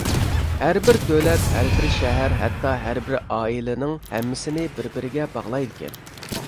ھەربىر دۆلەت، ھەربىر شەھەر، ھەتتا ھەربىر ئائىلىنىڭ ھەممىسىنى بىر-بىرىگە باغلايدىكەن.